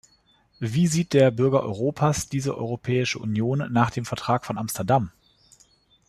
Wie sieht der Bürger Europas diese Europäische Union nach dem Vertrag von Amsterdam?